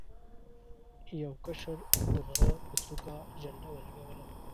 یو کشر د غره په څوکه جنډه ولګوله.